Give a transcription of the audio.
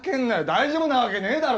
大丈夫なわけねえだろ！